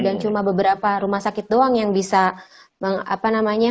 dan cuma beberapa rumah sakit doang yang bisa